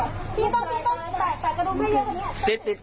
พี่พอได้ใส่เสื้อขี้กันขนาดอยู่